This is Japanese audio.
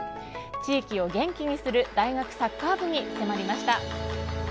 地域を元気にする大学サッカー部に迫りました。